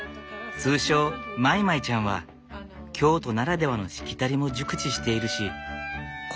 通称まいまいちゃんは京都ならではのしきたりも熟知しているし子育ての先輩でもある。